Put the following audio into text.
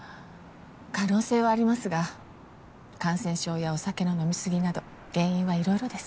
可能性はありますが感染症やお酒の飲み過ぎなど原因はいろいろです。